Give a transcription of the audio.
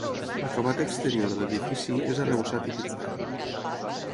L'acabat exterior de l'edifici és arrebossat i pintat.